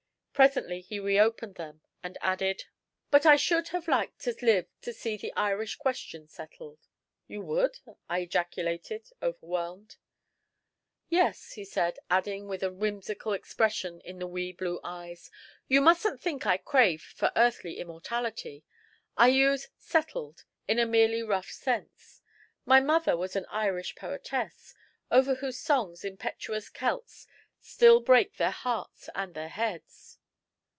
Presently he re opened them, and added: "But I should have liked to live to see the Irish question settled." "You would?" I ejaculated, overwhelmed. "Yes," he said, adding with a whimsical expression in the wee blue eyes: "You mustn't think I crave for earthly immortality. I use 'settled' in a merely rough sense. My mother was an Irish poetess, over whose songs impetuous Celts still break their hearts and their heads."